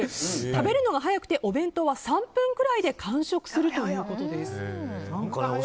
食べるのが早くてお弁当は３分くらいで完食するということです。